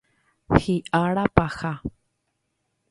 Hi'ára paha.